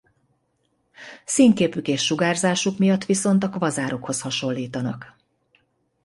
Színképük és sugárzásuk miatt viszont a kvazárokhoz hasonlítanak.